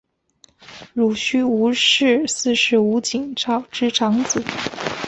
濡须吴氏四世吴景昭之长子。